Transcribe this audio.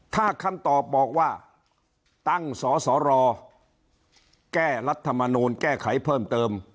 ถ้าคำตอบบอกว่าตั้งสสรแก้รัฐมนูลแก้ไขเพิ่มเติม